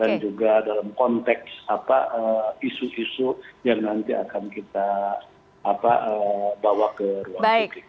dan juga dalam konteks isu isu yang nanti akan kita bawa ke ruang publik